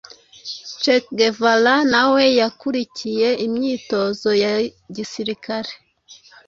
che guevara nawe yakurikiye imyitozo ya gisirikare,